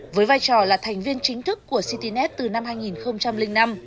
với vai trò là thành viên chính thức của citynet từ năm hai nghìn năm